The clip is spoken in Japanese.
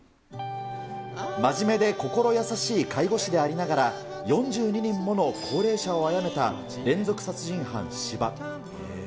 真面目で心優しい介護士でありながら、４２人もの高齢者をあやめた連続殺人犯、斯波。